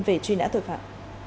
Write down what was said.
về truy nã tội phạm